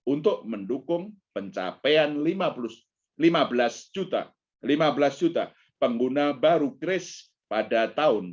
untuk mendukung pencapaian lima belas juta pengguna baru grace pada tahun dua ribu dua puluh